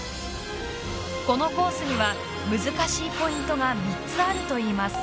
このコースには難しいポイントが３つあるといいます。